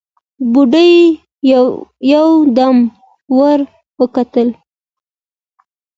بوډۍ يودم ور وکتل: